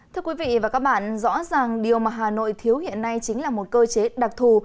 thưa quý vị và các bạn rõ ràng điều mà hà nội thiếu hiện nay chính là một cơ chế đặc thù